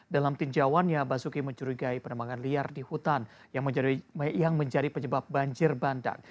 dalam tinjauannya basuki mencurigai penembangan liar di hutan yang menjadi penyebab banjir bandang